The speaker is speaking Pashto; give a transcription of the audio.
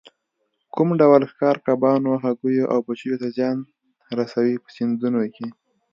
کوم ډول ښکار کبانو، هګیو او بچیو ته زیان رسوي په سیندونو کې.